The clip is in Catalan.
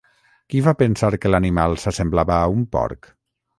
Qui va pensar que l'animal s'assemblava a un porc?